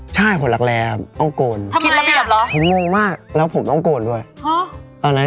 ชอบเล่นกีฬาอะไรมากที่สุดเลย